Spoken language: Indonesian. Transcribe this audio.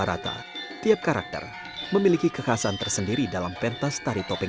dan diperlukan banyak penonton yang dipresentasikan dalam beragam penokohan